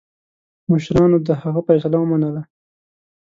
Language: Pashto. مشرانو د هغه فیصله ومنله.